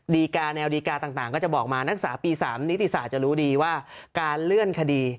การแนวดีการต่างก็จะบอกมานักศึกษาปี๓นิติศาสตร์จะรู้ดีว่าการเลื่อนคดี